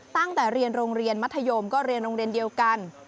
ตั้งแต่เรียนโรงเรียนมัธยมก็เรียนโรงเรียนเดียวกัน